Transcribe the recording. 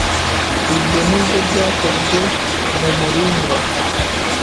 Ibyo nubwo byakozwe mu muringa